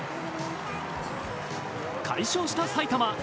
快勝した埼玉。